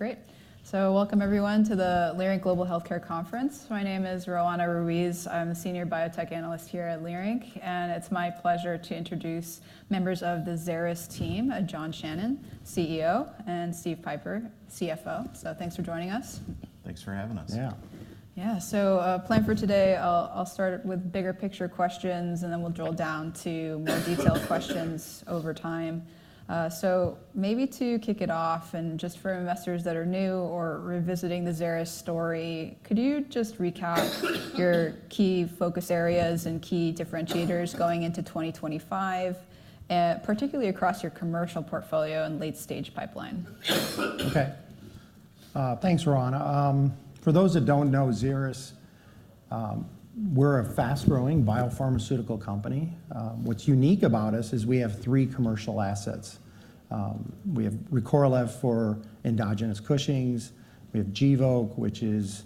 Okay, great. Welcome, everyone, to the Leerink Global Healthcare Conference. My name is Roanna Ruiz. I'm a senior biotech analyst here at Leerink, and it's my pleasure to introduce members of the Xeris team, John Shannon, CEO, and Steve Pieper, CFO. Thanks for joining us. Thanks for having us. Yeah. Yeah, so plan for today, I'll start with bigger picture questions, and then we'll drill down to more detailed questions over time. Maybe to kick it off, and just for investors that are new or revisiting the Xeris story, could you just recap your key focus areas and key differentiators going into 2025, particularly across your commercial portfolio and late-stage pipeline? Okay. Thanks, Roanna. For those that don't know, Xeris, we're a fast-growing biopharmaceutical company. What's unique about us is we have three commercial assets. We have Recorlev for endogenous Cushing's. We have Gvoke, which is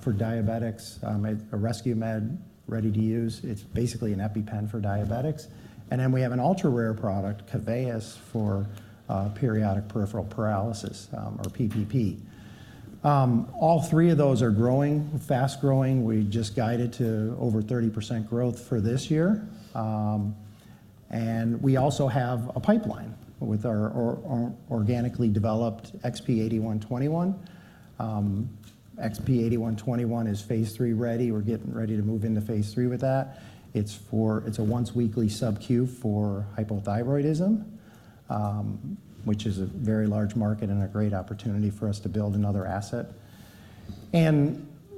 for diabetics, a rescue med ready to use. It's basically an EpiPen for diabetics. We have an ultra-rare product, Keveyis, for periodic paralysis, or PPP. All three of those are growing, fast-growing. We just guided to over 30% growth for this year. We also have a pipeline with our organically developed XP-8121. XP-8121 is phase three ready. We're getting ready to move into phase three with that. It's a once-weekly subcutaneous for hypothyroidism, which is a very large market and a great opportunity for us to build another asset.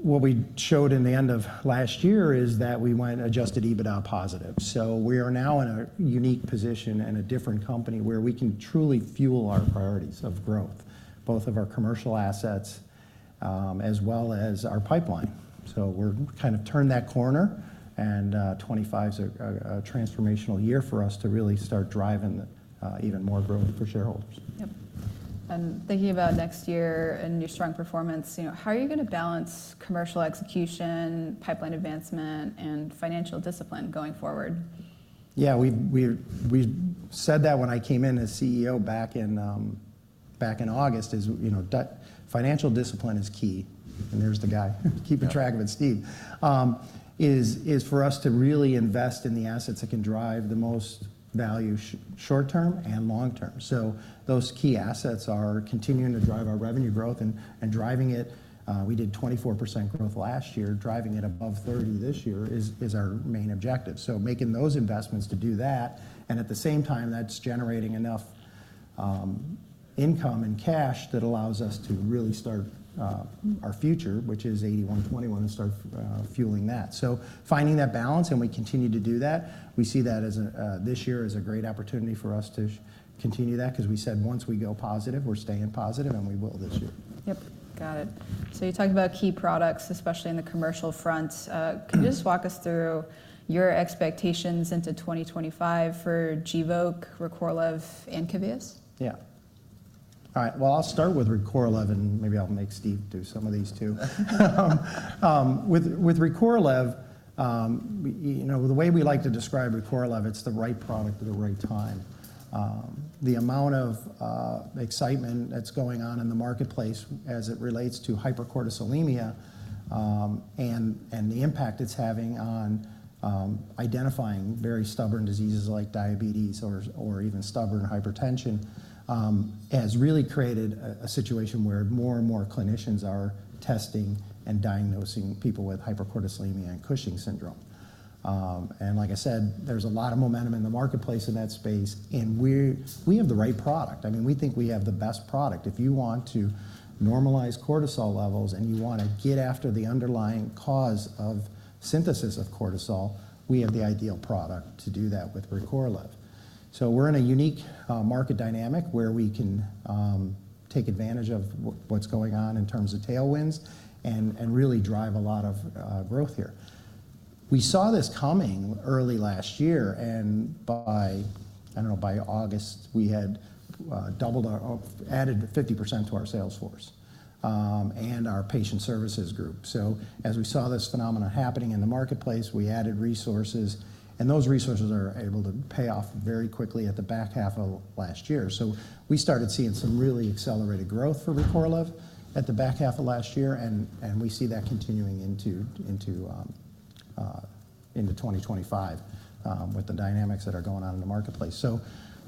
What we showed in the end of last year is that we went adjusted EBITDA positive. We are now in a unique position and a different company where we can truly fuel our priorities of growth, both of our commercial assets as well as our pipeline. We have kind of turned that corner, and 2025 is a transformational year for us to really start driving even more growth for shareholders. Yep. Thinking about next year and your strong performance, how are you going to balance commercial execution, pipeline advancement, and financial discipline going forward? Yeah, we said that when I came in as CEO back in August, financial discipline is key. There is the guy keeping track of it, Steve, for us to really invest in the assets that can drive the most value short-term and long-term. Those key assets are continuing to drive our revenue growth and driving it. We did 24% growth last year. Driving it above 30% this year is our main objective. Making those investments to do that, at the same time, that is generating enough income and cash that allows us to really start our future, which is 8121, and start fueling that. Finding that balance, we continue to do that. We see that this year as a great opportunity for us to continue that because we said once we go positive, we are staying positive, and we will this year. Yep, got it. You talked about key products, especially in the commercial front. Can you just walk us through your expectations into 2025 for Gvoke, Recorlev, and Keveyis? Yeah. All right, I'll start with Recorlev, and maybe I'll make Steve do some of these too. With Recorlev, the way we like to describe Recorlev, it's the right product at the right time. The amount of excitement that's going on in the marketplace as it relates to hypercortisolemia and the impact it's having on identifying very stubborn diseases like diabetes or even stubborn hypertension has really created a situation where more and more clinicians are testing and diagnosing people with hypercortisolemia and Cushing's syndrome. Like I said, there's a lot of momentum in the marketplace in that space, and we have the right product. I mean, we think we have the best product. If you want to normalize cortisol levels and you want to get after the underlying cause of synthesis of cortisol, we have the ideal product to do that with Recorlev. We're in a unique market dynamic where we can take advantage of what's going on in terms of tailwinds and really drive a lot of growth here. We saw this coming early last year, and by, I don't know, by August, we had doubled or added 50% to our sales force and our patient services group. As we saw this phenomenon happening in the marketplace, we added resources, and those resources were able to pay off very quickly at the back half of last year. We started seeing some really accelerated growth for Recorlev at the back half of last year, and we see that continuing into 2025 with the dynamics that are going on in the marketplace.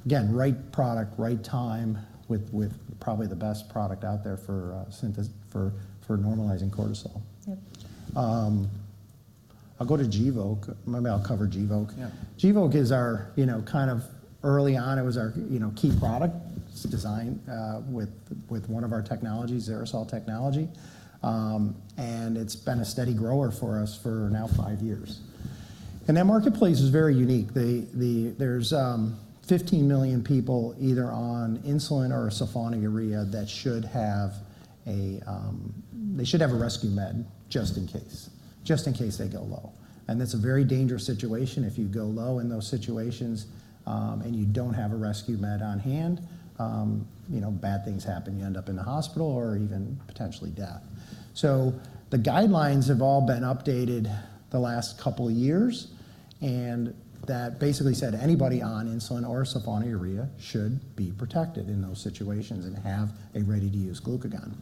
Again, right product, right time with probably the best product out there for normalizing cortisol. Yep. I'll go to Gvoke. Maybe I'll cover Gvoke. Gvoke is our kind of early on, it was our key product designed with one of our technologies, XeriSol technology, and it's been a steady grower for us for now five years. That marketplace is very unique. There are 15 million people either on insulin or a sulfonylurea that should have a rescue med just in case, just in case they go low. That's a very dangerous situation. If you go low in those situations and you don't have a rescue med on hand, bad things happen. You end up in the hospital or even potentially death. The guidelines have all been updated the last couple of years, and that basically said anybody on insulin or sulfonylurea should be protected in those situations and have a ready-to-use glucagon.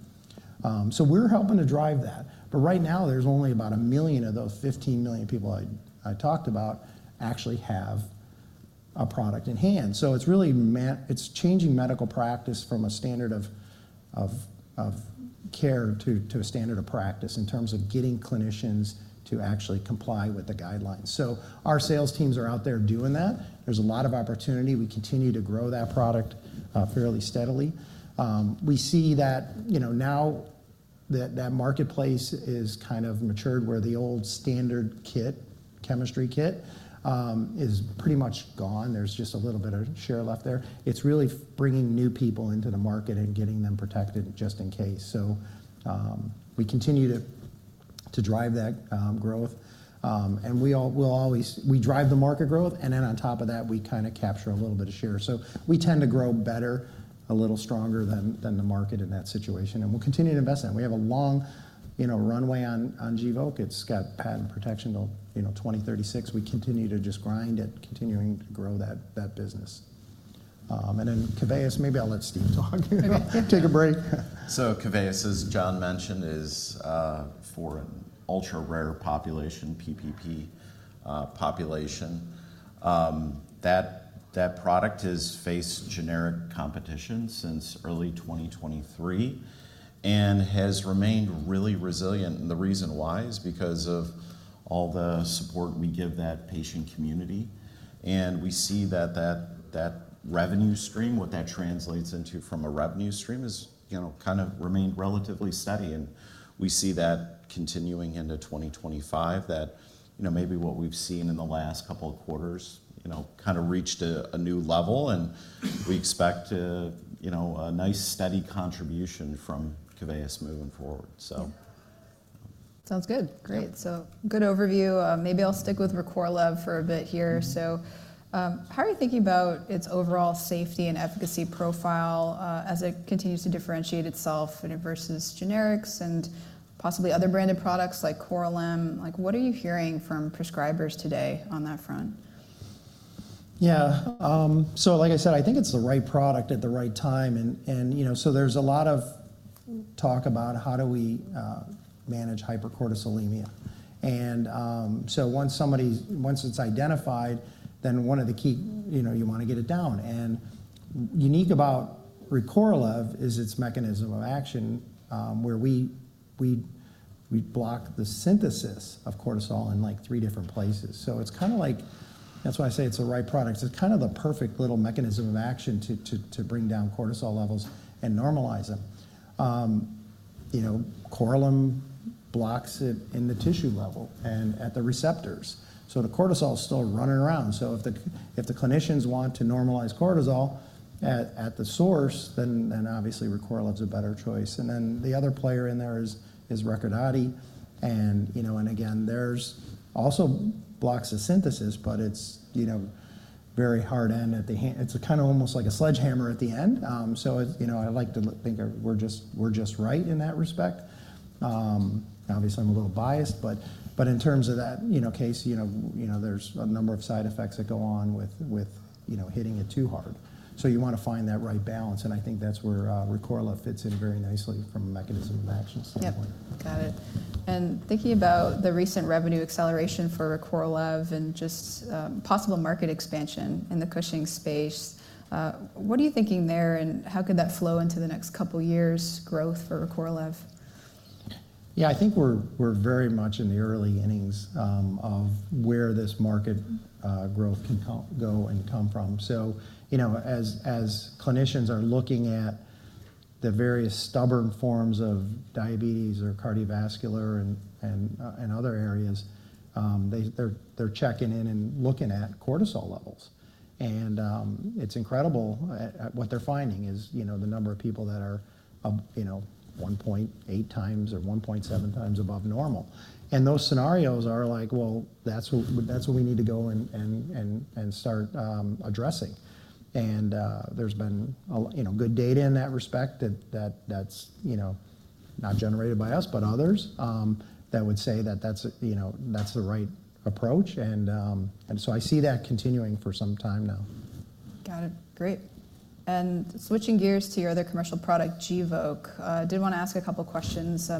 We're helping to drive that. Right now, there's only about a million of those 15 million people I talked about actually have a product in hand. It's really changing medical practice from a standard of care to a standard of practice in terms of getting clinicians to actually comply with the guidelines. Our sales teams are out there doing that. There's a lot of opportunity. We continue to grow that product fairly steadily. We see that now that marketplace is kind of matured where the old standard kit, chemistry kit, is pretty much gone. There's just a little bit of share left there. It's really bringing new people into the market and getting them protected just in case. We continue to drive that growth, and we'll always drive the market growth, and then on top of that, we kind of capture a little bit of share. We tend to grow better, a little stronger than the market in that situation, and we'll continue to invest in it. We have a long runway on Gvoke. It's got patent protection till 2036. We continue to just grind at continuing to grow that business. And then Keveyis, maybe I'll let Steve talk. Take a break. Keveyis, as John mentioned, is for an ultra-rare population, PPP population. That product has faced generic competition since early 2023 and has remained really resilient. The reason why is because of all the support we give that patient community. We see that that revenue stream, what that translates into from a revenue stream, has kind of remained relatively steady. We see that continuing into 2025, that maybe what we've seen in the last couple of quarters kind of reached a new level, and we expect a nice steady contribution from Keveyis moving forward, so. Sounds good. Great. Good overview. Maybe I'll stick with Recorlev for a bit here. How are you thinking about its overall safety and efficacy profile as it continues to differentiate itself versus generics and possibly other branded products like Korlym? What are you hearing from prescribers today on that front? Yeah. Like I said, I think it's the right product at the right time. There's a lot of talk about how do we manage hypercortisolemia. Once it's identified, then one of the key things is you want to get it down. Unique about Recorlev is its mechanism of action, where we block the synthesis of cortisol in three different places. That's why I say it's the right product. It's kind of the perfect little mechanism of action to bring down cortisol levels and normalize them. Korlym blocks it at the tissue level and at the receptors, so the cortisol is still running around. If the clinicians want to normalize cortisol at the source, then obviously Recorlev is a better choice. The other player in there is Recordati. There are also blocks of synthesis, but it's very hard end at the hand. It's kind of almost like a sledgehammer at the end. I like to think we're just right in that respect. Obviously, I'm a little biased, but in terms of that case, there's a number of side effects that go on with hitting it too hard. You want to find that right balance, and I think that's where Recorlev fits in very nicely from a mechanism of action standpoint. Yep, got it. Thinking about the recent revenue acceleration for Recorlev and just possible market expansion in the Cushing's space, what are you thinking there, and how could that flow into the next couple of years' growth for Recorlev? Yeah, I think we're very much in the early innings of where this market growth can go and come from. As clinicians are looking at the various stubborn forms of diabetes or cardiovascular and other areas, they're checking in and looking at cortisol levels. It's incredible what they're finding is the number of people that are 1.8 times or 1.7 times above normal. In those scenarios, like, that's what we need to go and start addressing. There's been good data in that respect that's not generated by us, but others that would say that that's the right approach. I see that continuing for some time now. Got it. Great. Switching gears to your other commercial product, Gvoke, I did want to ask a couple of questions.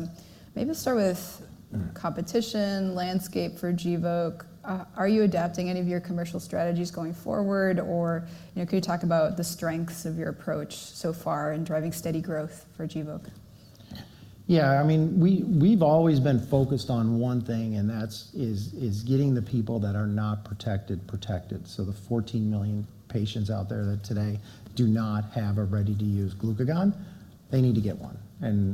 Maybe start with competition landscape for Gvoke. Are you adapting any of your commercial strategies going forward, or can you talk about the strengths of your approach so far in driving steady growth for Gvoke? Yeah, I mean, we've always been focused on one thing, and that is getting the people that are not protected, protected. The 14 million patients out there that today do not have a ready-to-use glucagon, they need to get one.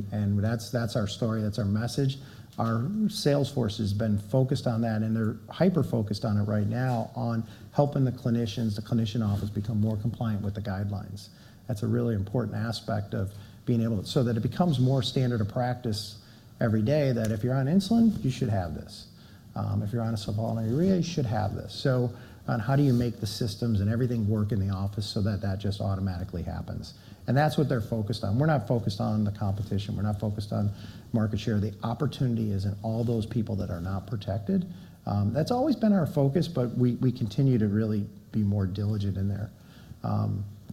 That's our story. That's our message. Our sales force has been focused on that, and they're hyper-focused on it right now on helping the clinicians, the clinician office, become more compliant with the guidelines. That's a really important aspect of being able to so that it becomes more standard of practice every day that if you're on insulin, you should have this. If you're on a sulfonylurea, you should have this. How do you make the systems and everything work in the office so that that just automatically happens? That's what they're focused on. We're not focused on the competition. We're not focused on market share. The opportunity is in all those people that are not protected. That's always been our focus, but we continue to really be more diligent in there.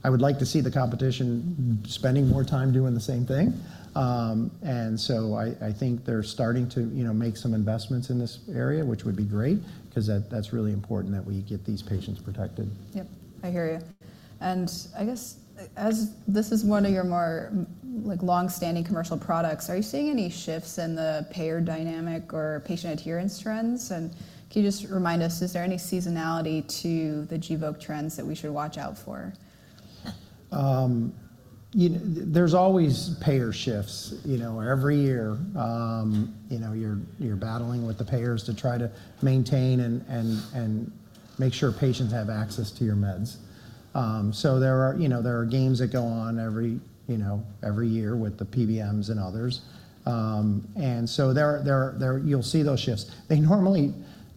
I would like to see the competition spending more time doing the same thing. I think they're starting to make some investments in this area, which would be great because that's really important that we get these patients protected. Yep, I hear you. I guess as this is one of your more long-standing commercial products, are you seeing any shifts in the payer dynamic or patient adherence trends? Can you just remind us, is there any seasonality to the Gvoke trends that we should watch out for? There's always payer shifts. Every year, you're battling with the payers to try to maintain and make sure patients have access to your meds. There are games that go on every year with the PBMs and others. You will see those shifts. They normally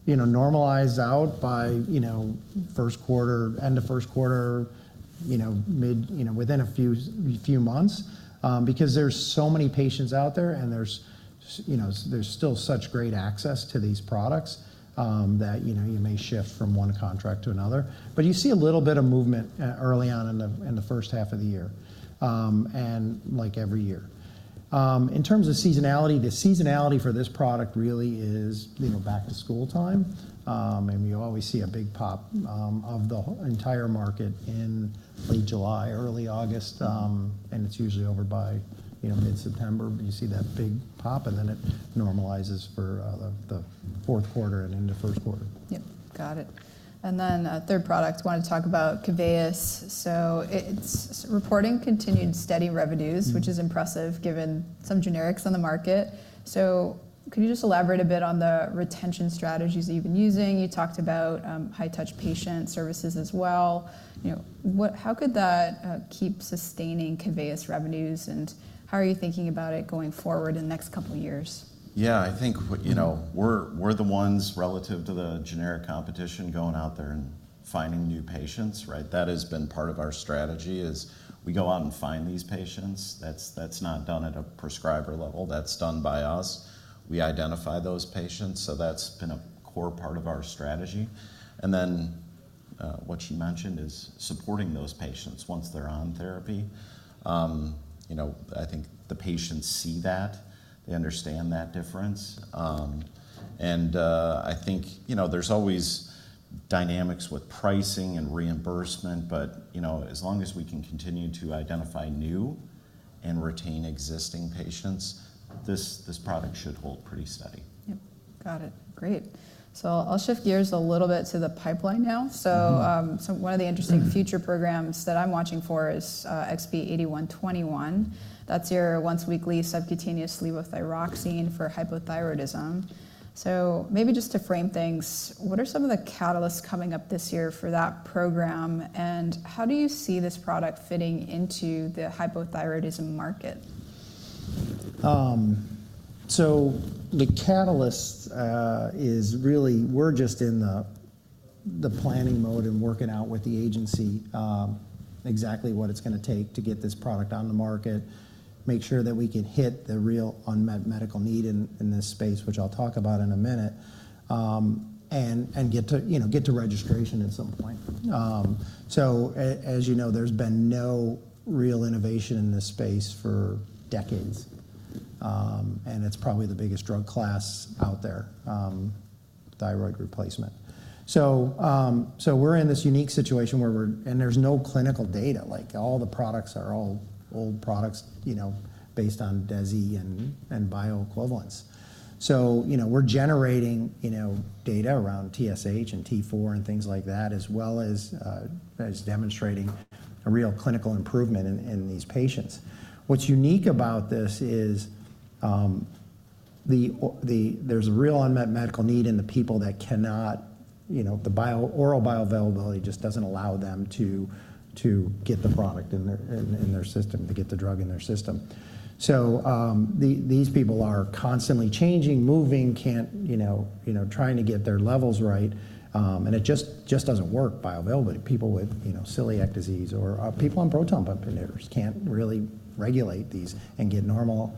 normalize out by end of first quarter, within a few months, because there are so many patients out there, and there is still such great access to these products that you may shift from one contract to another. You see a little bit of movement early on in the first half of the year, like every year. In terms of seasonality, the seasonality for this product really is back to school time, and you always see a big pop of the entire market in late July, early August, and it is usually over by mid-September. You see that big pop, and then it normalizes for the fourth quarter and into first quarter. Yep, got it. Then third product, wanted to talk about Keveyis. It is reporting continued steady revenues, which is impressive given some generics on the market. Could you just elaborate a bit on the retention strategies that you have been using? You talked about high-touch patient services as well. How could that keep sustaining Keveyis revenues, and how are you thinking about it going forward in the next couple of years? Yeah, I think we're the ones relative to the generic competition going out there and finding new patients, right? That has been part of our strategy is we go out and find these patients. That's not done at a prescriber level. That's done by us. We identify those patients, so that's been a core part of our strategy. What you mentioned is supporting those patients once they're on therapy. I think the patients see that. They understand that difference. I think there's always dynamics with pricing and reimbursement, but as long as we can continue to identify new and retain existing patients, this product should hold pretty steady. Yep, got it. Great. I'll shift gears a little bit to the pipeline now. One of the interesting future programs that I'm watching for is XP-8121. That's your once-weekly subcutaneous levothyroxine for hypothyroidism. Maybe just to frame things, what are some of the catalysts coming up this year for that program, and how do you see this product fitting into the hypothyroidism market? The catalyst is really we're just in the planning mode and working out with the agency exactly what it's going to take to get this product on the market, make sure that we can hit the real unmet medical need in this space, which I'll talk about in a minute, and get to registration at some point. As you know, there's been no real innovation in this space for decades, and it's probably the biggest drug class out there, thyroid replacement. We're in this unique situation where we're and there's no clinical data. All the products are all old products based on DESI and bioequivalents. We're generating data around TSH and T4 and things like that, as well as demonstrating a real clinical improvement in these patients. What's unique about this is there's a real unmet medical need in the people that cannot, the oral bioavailability just doesn't allow them to get the product in their system, to get the drug in their system. These people are constantly changing, moving, trying to get their levels right, and it just doesn't work, bioavailability. People with celiac disease or people on proton pump inhibitors can't really regulate these and get normal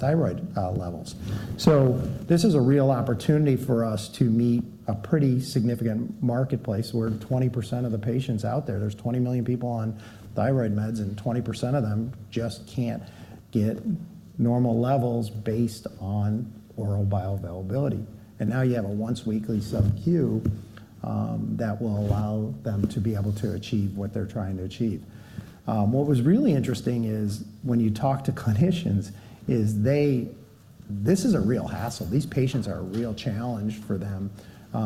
thyroid levels. This is a real opportunity for us to meet a pretty significant marketplace where 20% of the patients out there, there's 20 million people on thyroid meds, and 20% of them just can't get normal levels based on oral bioavailability. Now you have a once-weekly sub-Q that will allow them to be able to achieve what they're trying to achieve. What was really interesting is when you talk to clinicians, is this is a real hassle. These patients are a real challenge for them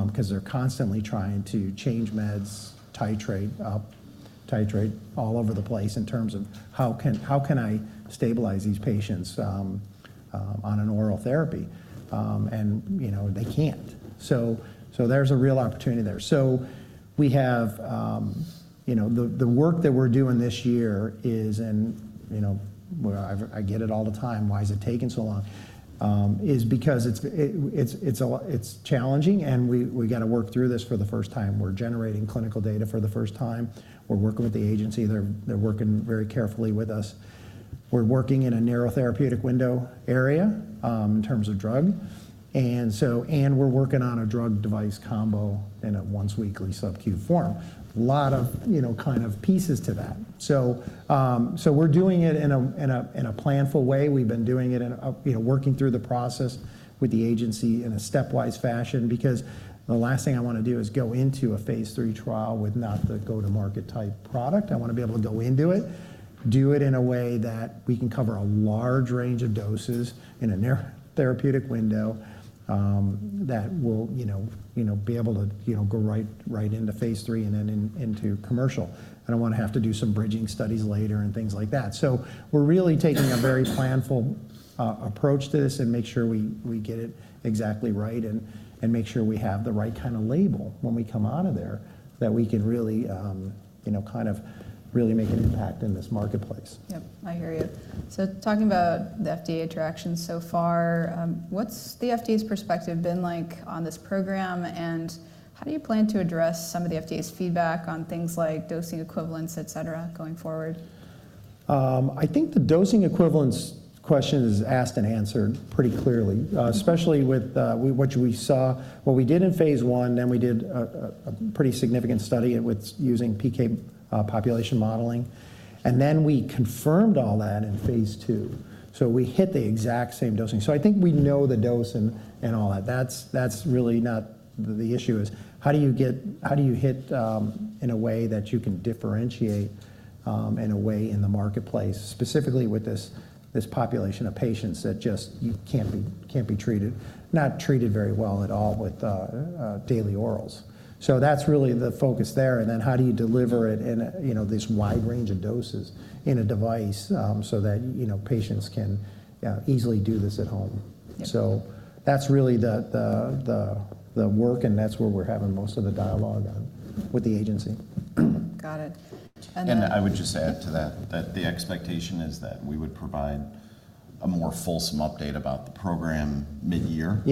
because they're constantly trying to change meds, titrate all over the place in terms of how can I stabilize these patients on an oral therapy, and they can't. There is a real opportunity there. We have the work that we're doing this year, and I get it all the time, why is it taking so long, is because it's challenging, and we got to work through this for the first time. We're generating clinical data for the first time. We're working with the agency. They're working very carefully with us. We're working in a narrow therapeutic window area in terms of drug, and we're working on a drug-device combo in a once-weekly subcutaneous form. A lot of kind of pieces to that. We're doing it in a planful way. We've been doing it and working through the process with the agency in a stepwise fashion because the last thing I want to do is go into a phase three trial with not the go-to-market type product. I want to be able to go into it, do it in a way that we can cover a large range of doses in a therapeutic window that will be able to go right into phase three and then into commercial. I don't want to have to do some bridging studies later and things like that. We're really taking a very planful approach to this and make sure we get it exactly right and make sure we have the right kind of label when we come out of there that we can really kind of really make an impact in this marketplace. Yep, I hear you. Talking about the FDA interactions so far, what's the FDA's perspective been like on this program, and how do you plan to address some of the FDA's feedback on things like dosing equivalents, etc., going forward? I think the dosing equivalents question is asked and answered pretty clearly, especially with what we saw. What we did in phase one, then we did a pretty significant study with using PK population modeling, and then we confirmed all that in phase two. We hit the exact same dosing. I think we know the dose and all that. That's really not the issue. The issue is how do you hit in a way that you can differentiate in a way in the marketplace, specifically with this population of patients that just can't be treated, not treated very well at all with daily orals. That's really the focus there. How do you deliver it in this wide range of doses in a device so that patients can easily do this at home? That's really the work, and that's where we're having most of the dialogue with the agency. Got it. I would just add to that that the expectation is that we would provide a more fulsome update about the program mid-year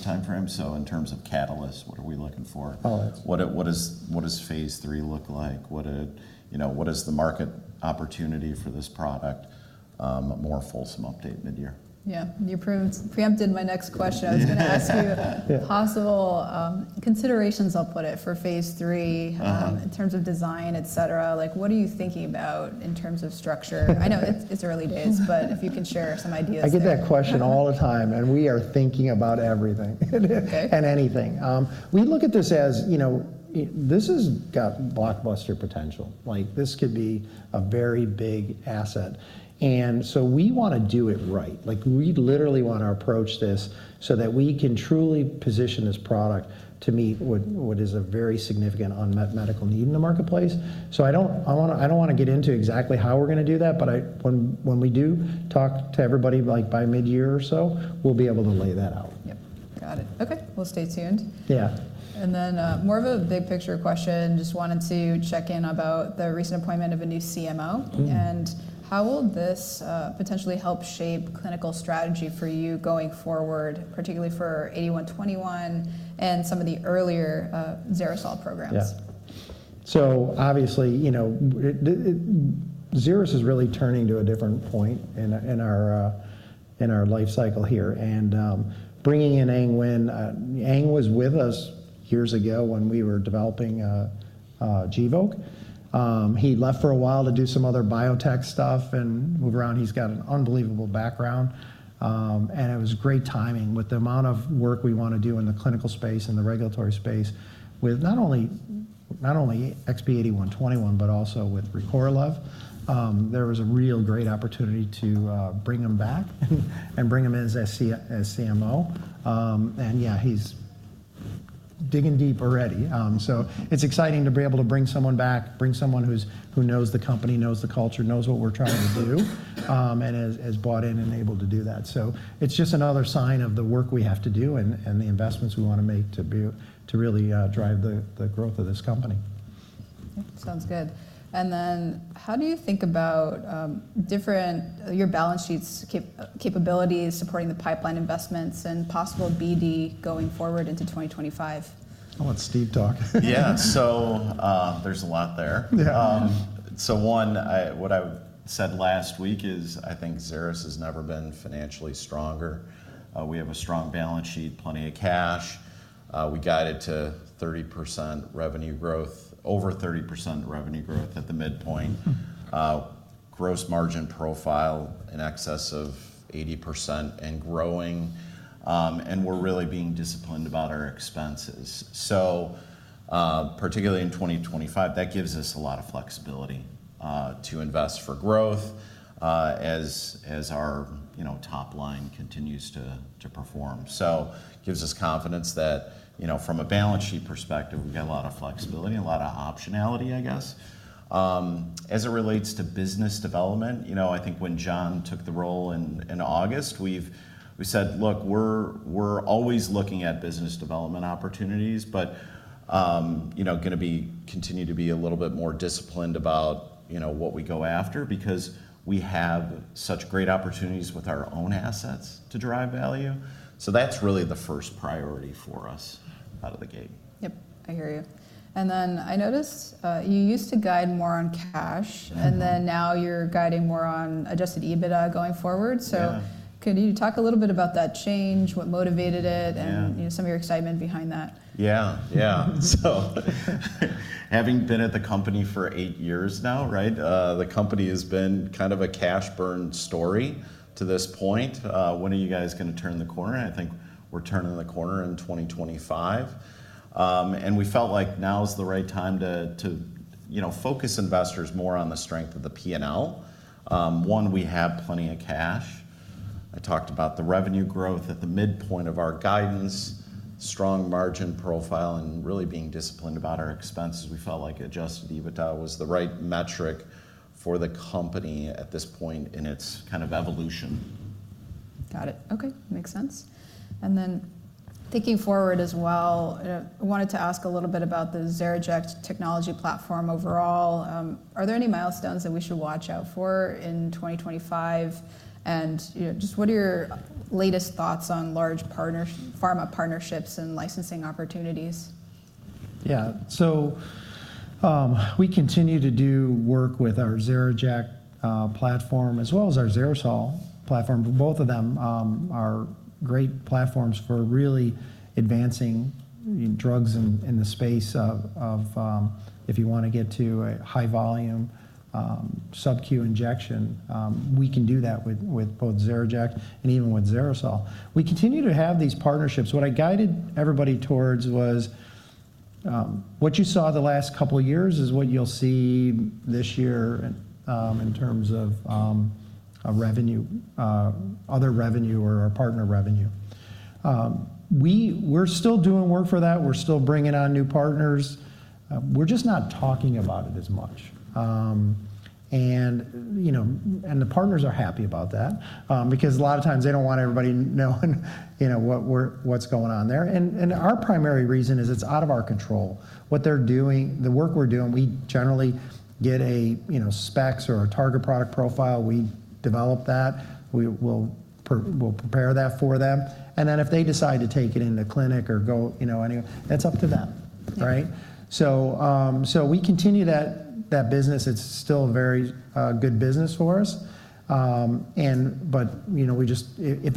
timeframe. In terms of catalysts, what are we looking for? What does phase three look like? What is the market opportunity for this product? A more fulsome update mid-year. Yeah. You preempted my next question. I was going to ask you possible considerations, I'll put it, for phase three in terms of design, etc. What are you thinking about in terms of structure? I know it's early days, but if you can share some ideas. I get that question all the time, and we are thinking about everything and anything. We look at this as this has got blockbuster potential. This could be a very big asset. We want to do it right. We literally want to approach this so that we can truly position this product to meet what is a very significant unmet medical need in the marketplace. I do not want to get into exactly how we are going to do that, but when we do talk to everybody by mid-year or so, we will be able to lay that out. Yep, got it. Okay, we'll stay tuned. Yeah. More of a big picture question. Just wanted to check in about the recent appointment of a new CMO, and how will this potentially help shape clinical strategy for you going forward, particularly for 8121 and some of the earlier Xeris Biopharma programs? Yeah. Obviously, Xeris is really turning to a different point in our life cycle here and bringing in Anh Tuan. Anh Tuan was with us years ago when we were developing Gvoke. He left for a while to do some other biotech stuff and move around. He's got an unbelievable background, and it was great timing with the amount of work we want to do in the clinical space and the regulatory space with not only XP-8121, but also with Recorlev. There was a real great opportunity to bring him back and bring him in as CMO. Yeah, he's digging deep already. It is exciting to be able to bring someone back, bring someone who knows the company, knows the culture, knows what we're trying to do, and is bought in and able to do that. It's just another sign of the work we have to do and the investments we want to make to really drive the growth of this company. Sounds good. How do you think about your balance sheet's capabilities supporting the pipeline investments and possible BD going forward into 2025? I'll let Steve talk. Yeah, so there's a lot there. One, what I said last week is I think Xeris has never been financially stronger. We have a strong balance sheet, plenty of cash. We guided to 30% revenue growth, over 30% revenue growth at the midpoint, gross margin profile in excess of 80% and growing, and we're really being disciplined about our expenses. Particularly in 2025, that gives us a lot of flexibility to invest for growth as our top line continues to perform. It gives us confidence that from a balance sheet perspective, we've got a lot of flexibility, a lot of optionality, I guess. As it relates to business development, I think when John took the role in August, we said, "Look, we're always looking at business development opportunities, but going to continue to be a little bit more disciplined about what we go after because we have such great opportunities with our own assets to drive value." That is really the first priority for us out of the gate. Yep, I hear you. I noticed you used to guide more on cash, and now you're guiding more on adjusted EBITDA going forward. Could you talk a little bit about that change, what motivated it, and some of your excitement behind that? Yeah, yeah. Having been at the company for eight years now, right, the company has been kind of a cash burn story to this point. When are you guys going to turn the corner? I think we're turning the corner in 2025. We felt like now is the right time to focus investors more on the strength of the P&L. One, we have plenty of cash. I talked about the revenue growth at the midpoint of our guidance, strong margin profile, and really being disciplined about our expenses. We felt like adjusted EBITDA was the right metric for the company at this point in its kind of evolution. Got it. Okay, makes sense. Thinking forward as well, I wanted to ask a little bit about the XeriJect technology platform overall. Are there any milestones that we should watch out for in 2025? What are your latest thoughts on large pharma partnerships and licensing opportunities? Yeah, we continue to do work with our XeriJect platform as well as our Xeris Biopharma platform. Both of them are great platforms for really advancing drugs in the space of if you want to get to a high-volume subcutaneous injection, we can do that with both XeriJect and even with Xeris Biopharma. We continue to have these partnerships. What I guided everybody towards was what you saw the last couple of years is what you'll see this year in terms of revenue, other revenue, or our partner revenue. We're still doing work for that. We're still bringing on new partners. We're just not talking about it as much. The partners are happy about that because a lot of times they do not want everybody knowing what's going on there. Our primary reason is it's out of our control. What they're doing, the work we're doing, we generally get a specs or a target product profile. We develop that. We'll prepare that for them. If they decide to take it into clinic or go anywhere, that's up to them, right? We continue that business. It's still a very good business for us. If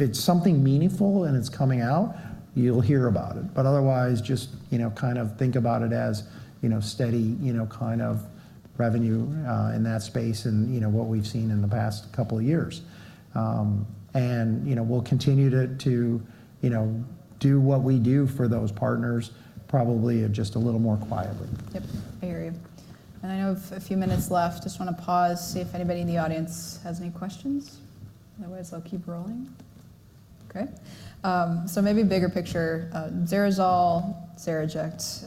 it's something meaningful and it's coming out, you'll hear about it. Otherwise, just kind of think about it as steady kind of revenue in that space and what we've seen in the past couple of years. We'll continue to do what we do for those partners, probably just a little more quietly. Yep, I hear you. I know a few minutes left. Just want to pause, see if anybody in the audience has any questions. Otherwise, I'll keep rolling. Okay. Maybe bigger picture, Xeris Biopharma, Xeriject.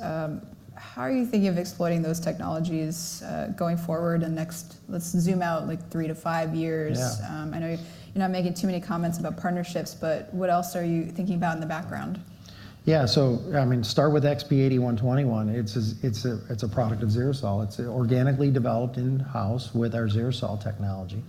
How are you thinking of exploiting those technologies going forward in the next, let's zoom out like three to five years? I know you're not making too many comments about partnerships, but what else are you thinking about in the background? Yeah, so I mean, start with XP-8121. It's a product of Xeris Biopharma. It's organically developed in-house with our Xeris Biopharma technology.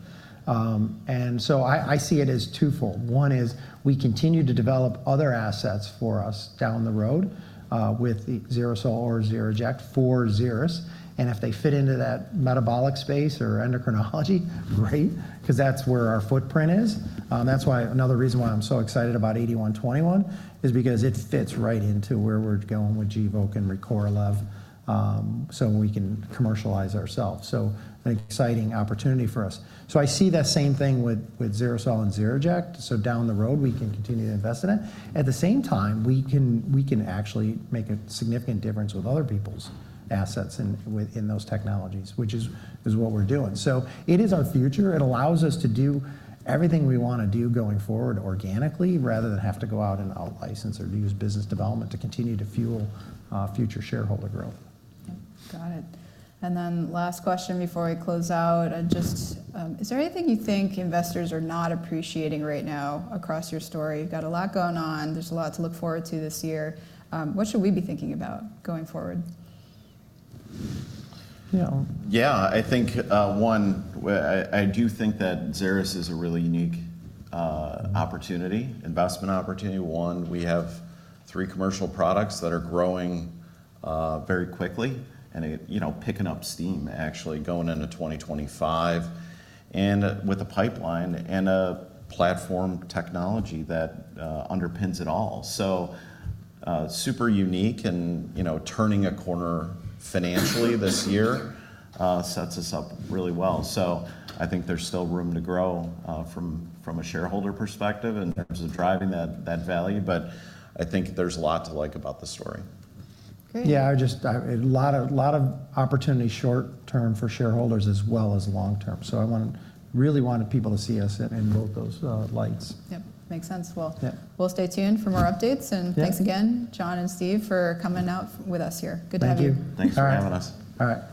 I see it as twofold. One is we continue to develop other assets for us down the road with Xeris Biopharma or Xeriject for Xeris. If they fit into that metabolic space or endocrinology, great, because that's where our footprint is. That's why another reason why I'm so excited about 8121 is because it fits right into where we're going with Gvoke and Recorlev so we can commercialize ourselves. An exciting opportunity for us. I see that same thing with Xeris Biopharma and Xeriject. Down the road, we can continue to invest in it. At the same time, we can actually make a significant difference with other people's assets in those technologies, which is what we're doing. It is our future. It allows us to do everything we want to do going forward organically rather than have to go out and out-license or use business development to continue to fuel future shareholder growth. Got it. Last question before we close out. Is there anything you think investors are not appreciating right now across your story? You've got a lot going on. There's a lot to look forward to this year. What should we be thinking about going forward? Yeah, I think one, I do think that Xeris is a really unique investment opportunity. One, we have three commercial products that are growing very quickly and picking up steam, actually going into 2025 and with a pipeline and a platform technology that underpins it all. Super unique and turning a corner financially this year sets us up really well. I think there's still room to grow from a shareholder perspective in terms of driving that value. I think there's a lot to like about the story. Great. Yeah, a lot of opportunity short-term for shareholders as well as long-term. I really wanted people to see us in both those lights. Yep, makes sense. We will stay tuned for more updates. Thanks again, John and Steve, for coming out with us here. Good to have you. Thank you. Thanks for having us. All right.